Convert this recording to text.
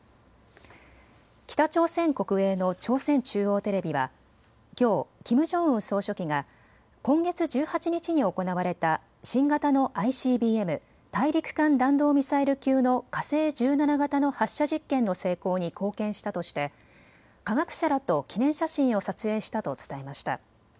北朝鮮国営の朝鮮中央テレビはきょうキム・ジョンウン総書記が今月１８日に行われた新型のＩＣＢＭ・大陸間弾道ミサイル級の火星１７型の発射実験の成功に貢献したとして科学者らと記念写真を撮影したと伝えました。